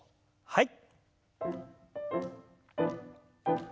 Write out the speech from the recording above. はい。